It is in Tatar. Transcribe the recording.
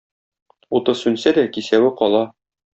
Уты сүнсә дә кисәве кала.